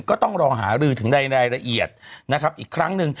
ก็ต้องรอหารือถึงในรายละเอียดนะครับอีกครั้งหนึ่ง